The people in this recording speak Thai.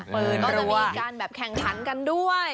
มันก็จะมีการแข่งทั้งกันด้วย